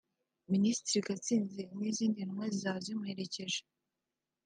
Minisitiri Gatsinzi n’izindi ntumwa zizaba zimuherekeje